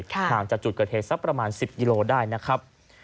ห่างจากจุดเกิดเหตุสักประมาณ๑๐กิโลได้นะครับ